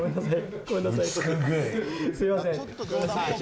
すいません。